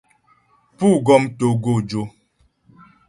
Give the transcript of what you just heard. Pú gɔm togojò.